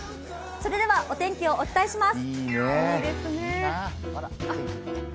それではお天気をお伝えします。